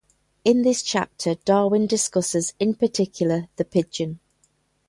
In this chapter, Darwin discussed in particular the pigeon.